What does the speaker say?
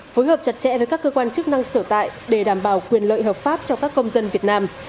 phối hợp chặt chẽ với các cơ quan chức năng sở tại để đảm bảo quyền lợi hợp pháp cho các công dân việt nam